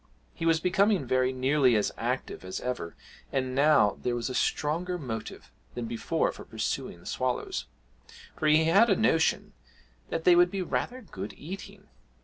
He was becoming very nearly as active as ever, and now there was a stronger motive than before for pursuing the swallows for he had a notion that they would be rather good eating.